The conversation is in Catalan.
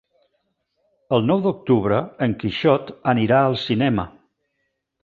El nou d'octubre en Quixot anirà al cinema.